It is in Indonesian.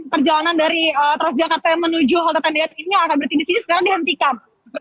perjalanan dari teras jakarta yang menuju halte tendian ini akan berarti disini sekarang dihentikan